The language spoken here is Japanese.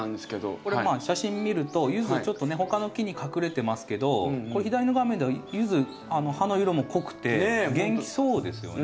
これ写真見るとユズちょっとね他の木に隠れてますけどこれ左の画面ではユズ葉の色も濃くて元気そうですよね。